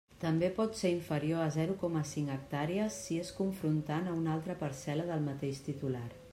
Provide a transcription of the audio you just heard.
També pot ser inferior a zero coma cinc hectàrees si és confrontant a una altra parcel·la del mateix titular.